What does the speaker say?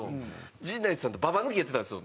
陣内さんとババ抜きやってたんですよ